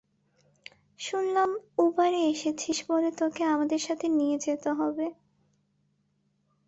শুনলাম উবারে এসেছিস বলে তোকে আমাদের সাথে নিয়ে যেতে হবে।